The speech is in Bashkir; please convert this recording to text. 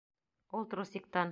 Ул трусиктан.